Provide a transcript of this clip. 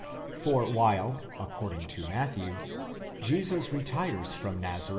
For while, according to Matthew, Jesus retires from Nazareth 1 Comp.